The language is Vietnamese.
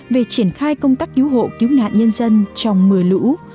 về triển khai công tác cứu hộ cứu nạn nhân dân trong mưa lũ